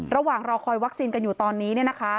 ระหว่างเราคอยวัคซีนกันอยู่ตอนนี้